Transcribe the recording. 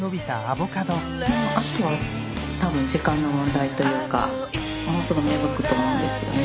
もうあとは多分時間の問題というかもうすぐ芽吹くと思うんですよね。